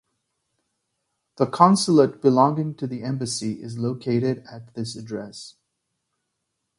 The consulate belonging to the embassy is located at this address.